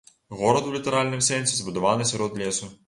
Горад у літаральным сэнсе збудаваны сярод лесу.